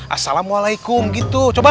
assalamualaikum gitu coba